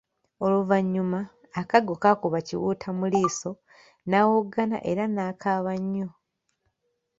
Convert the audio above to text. Oluvanyuma akaggo kaakuba Kiwutta mu liiso nawoggana era nakaaba nnyo.